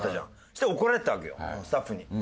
そして怒られてたわけよスタッフに。